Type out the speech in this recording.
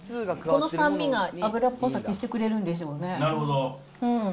この酸味が油っぽさを消してくれるんですよね。